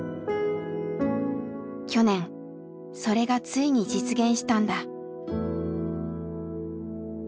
去年それがついに実現したんだ。